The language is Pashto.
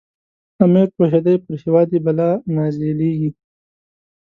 امیر پوهېدی پر هیواد یې بلا نازلیږي.